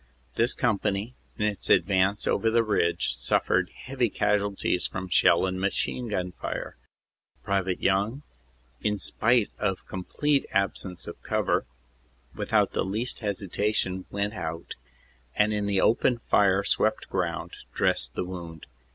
This company in its advance over the ridge suf fered heavy casualties from shell and machine gun fire. Pte. Young, in spite of complete absence of cover, without the least hesitation went out and in the open fire swept ground dressed the wounded.